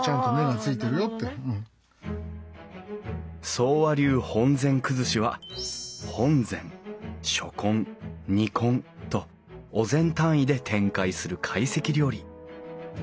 宗和流本膳崩しは本膳初献弐献とお膳単位で展開する会席料理。